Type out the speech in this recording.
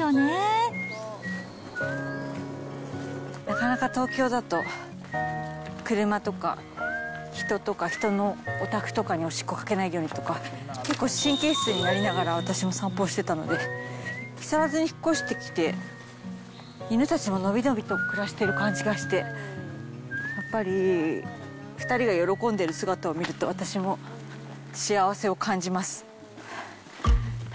なかなか東京だと、車とか人とか、人のお宅とかにおしっこかけないようにとか、結構神経質になりながら、私も散歩してたので、木更津に引っ越してきて、犬たちも伸び伸びと暮らしている感じがして、やっぱり２人が喜んでる姿を見ると、私も幸せを感じます。